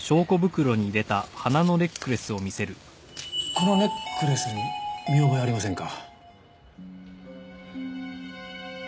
このネックレスに見覚えありませんか？